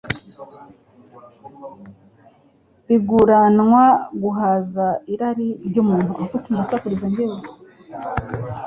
biguranwa guhaza irari ryumuntu.